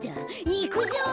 いくぞ！